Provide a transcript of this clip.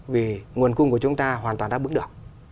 vì nguồn cung của chúng ta hoàn toàn đáp ứng được